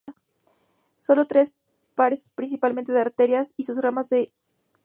Son tres pares principales de arterias y sus ramas que irrigan el cerebro.